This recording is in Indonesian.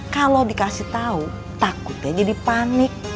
kalau di kasih tahu takutnya jadi panik